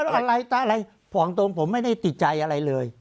อะไรตาอะไรผ่องตรงผมไม่ได้ติดใจอะไรเลย